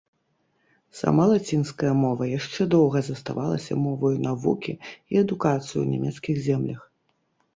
Сама лацінская мова яшчэ доўга заставалася моваю навукі і адукацыі ў нямецкіх землях.